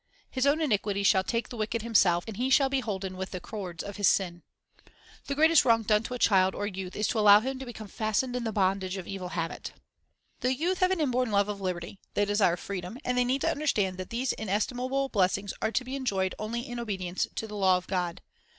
"His own iniquities shall take the wicked himself, and he shall be hoi den with the cords of his sins." 2 The greatest wrong done to a child or youth is to allow him to become fastened in the bondage of evil habit. The youth have an inborn love of liberty; they desire freedom;. and they need to understand that these inestimable blessings are to be enjoyed only in obedi ence to the law of God.